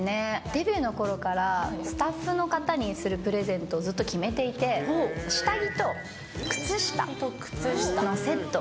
デビューのころから、スタッフの方にするプレゼントをずっと決めていて、下着と靴下のセット。